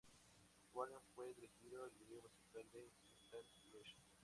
Warren Fu dirigió el vídeo musical de "Instant Crush".